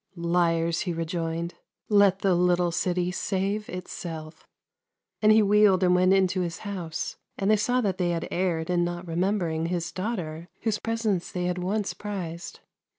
" Liars !" he rejoined, " let the little city save itself," and he wheeled and went into his house, and they saw that they had erred in not remembering his daughter, whose presence they had once prized.